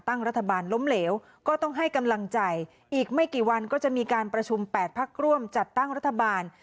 ตั้งรัฐบาลล้มเหลวก็ต้องให้กำลังใจอีกไม่กี่วันก็จะมีการประชุม๘พักร่วมจัดตั้งรัฐบาล